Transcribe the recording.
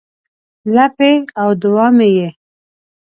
لپې او دوعا مې یې